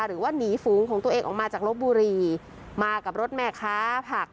หรือว่าหนีฝูงของตัวเองออกมาจากลบบุรีมากับรถแม่ค้าผัก